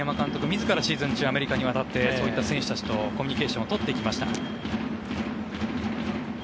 自らシーズン中、アメリカに渡ってそういった選手たちとコミュニケーションを取ってきました。